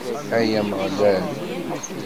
Ay Ameɣlal!